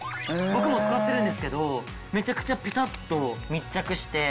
僕も使ってるんですけどめちゃくちゃピタッと密着して。